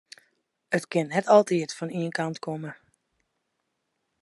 It kin net altyd fan ien kant komme.